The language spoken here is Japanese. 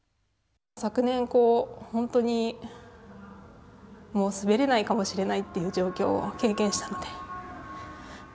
昨年、本当にもう滑れないかもしれないという状況を経験したので。